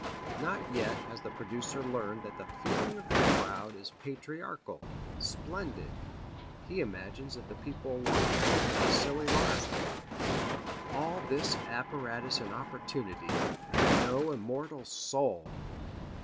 Not yet has the producer learned that the feeling of the crowd is patriarchal, splendid. He imagines the people want nothing but a silly lark. All this apparatus and opportunity, and no immortal soul!